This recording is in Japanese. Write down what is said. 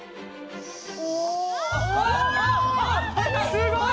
すごい！